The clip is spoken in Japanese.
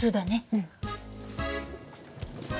うん。